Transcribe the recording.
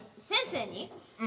うん。